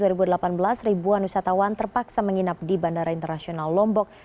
ribuan wisatawan terpaksa menginap di bandara internasional lombok